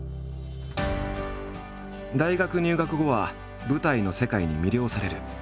大学入学後は舞台の世界に魅了される。